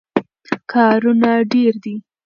کارونه ډېر دي.